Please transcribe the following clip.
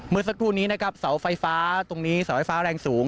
สักครู่นี้นะครับเสาไฟฟ้าตรงนี้เสาไฟฟ้าแรงสูง